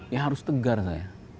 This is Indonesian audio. ya harus tegar saya